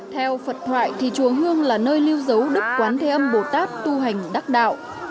theo phật thoại thì chùa hương là nơi lưu giấu đức quán thơ âm bồ tát tu hành đắc đạo